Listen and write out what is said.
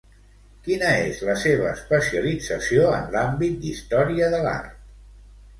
Quina es la seva especialització en l'àmbit d'Història de l'art?